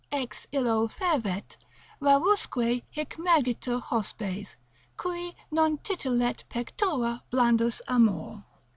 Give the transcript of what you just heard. Ex illo fervet, rarusque hic mergitur hospes, Cui non titillet pectora blandus amor.